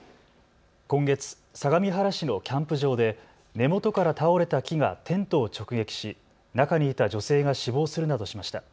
今月、相模原市のキャンプ場で根元から倒れた木がテントを直撃し、中にいた女性が死亡するなどしました。